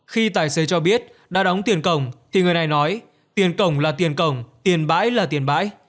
khi tài xế cho biết đã đóng tiền cổng thì người này nói tiền cổng là tiền cổng tiền bãi là tiền bãi